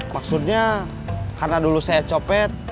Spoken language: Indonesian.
maksudnya karena dulu saya copet